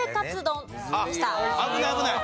あっ危ない危ない。